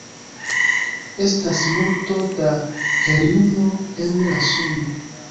Estas multo da heliumo en la suno.